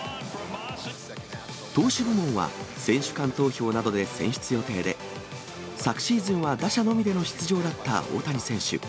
投手部門は選手間投票などで選出予定で、昨シーズンは打者のみでの出場だった大谷選手。